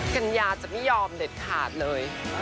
กัญญาจะไม่ยอมเด็ดขาดเลย